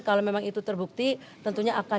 kalau memang itu terbukti tentunya akan